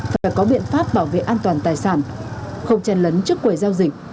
phải có biện pháp bảo vệ an toàn tài sản không chen lấn trước quầy giao dịch